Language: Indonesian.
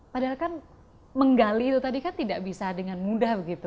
padahal kan menggali itu tadi kan tidak bisa dengan mudah begitu